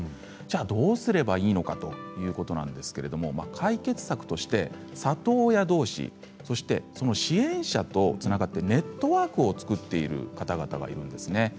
じゃあどうすればいいのかということなんですけれどその解決策として里親どうしそして、その支援者とつながってネットワークを作っている方々がいるんですね。